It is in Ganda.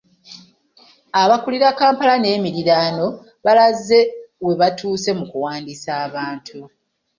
Abakulira Kampala n’emiriraano balaze we batuuse mu kuwandiisa abantu.